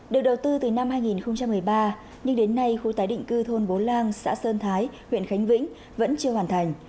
được đầu tư từ năm hai nghìn một mươi ba nhưng đến nay khu tái định cư thôn bố lang xã sơn thái huyện khánh vĩnh vẫn chưa hoàn thành